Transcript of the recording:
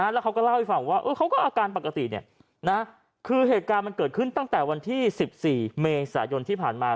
แล้วเขาก็เล่าให้ฟังว่าเขาก็อาการปกติคือเหตุการณ์มันเกิดขึ้นตั้งแต่วันที่๑๔เมษายนที่ผ่านมา